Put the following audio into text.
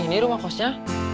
gini rumah kosnya